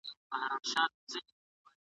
که انسان چیري تر شا خورجین لیدلای .